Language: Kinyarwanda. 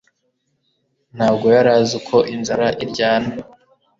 ntago yarazi uko inzara iryana